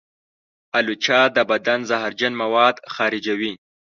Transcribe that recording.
الوچه د بدن زهرجن مواد خارجوي.